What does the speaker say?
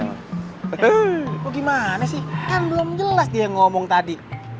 heheheh gimana sih kan belum jelas dia ngomong tadi